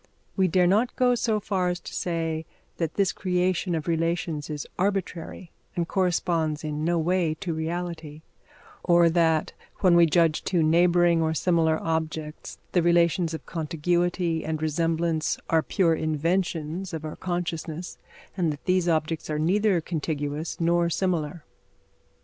We dare not go so far as to say that this creation of relations is arbitrary and corresponds in no way to reality; or that, when we judge two neighbouring or similar objects, the relations of contiguity and resemblance are pure inventions of our consciousness, and that these objects are really neither contiguous nor similar.